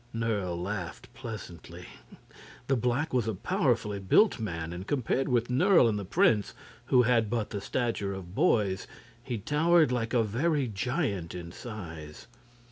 Nerle laughed pleasantly. The black was a powerfully built man, and compared with Nerle and the prince, who had but the stature of boys, he towered like a very giant in size.